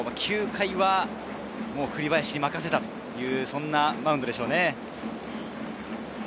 ９回は栗林に任せたというマウンドでしょうね。